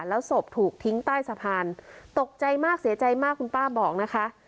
แล้วศพถูกทิ้งใต้สะพานตกใจมากเสียใจมากคุณป้าบอกนะคะ